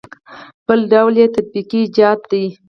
بل ډول یې تطبیقي ایجاد دی.